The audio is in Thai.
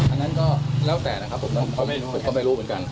อันนั้นก็แล้วแต่นะครับผมไม่รู้ผมก็ไม่รู้เหมือนกัน